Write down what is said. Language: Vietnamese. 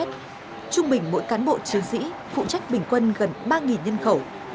trung bình mỗi cán bộ chiến sĩ phụ trách bình quân gần ba nhân khẩu